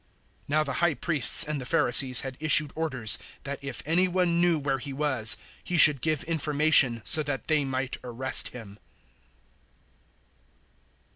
011:057 Now the High Priests and the Pharisees had issued orders that if any one knew where He was, he should give information, so that they might arrest Him.